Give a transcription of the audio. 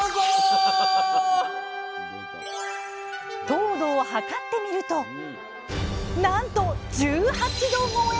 糖度を測ってみるとなんと１８度超え！